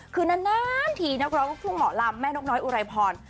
คือนานทีนักร้องลูกทุ่งหมอลำแม่นกน้อยอุไรพร